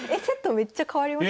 めっちゃ変わりましたよね。